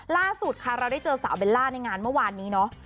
ล่าสุดค่ะเราได้เจอสาวเบลล่าในงานเมื่อวานนี้เนาะ